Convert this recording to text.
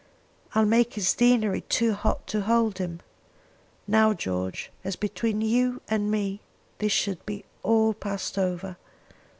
I'll make his deanery too hot to hold him. Now, George, as between you and me this shall be all passed over.